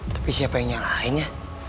tapi siapa yang nyalainnya